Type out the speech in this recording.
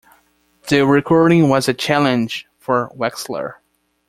The recording was a challenge for Wexler.